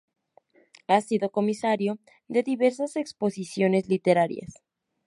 Ha sido comisario de diversas exposiciones literarias.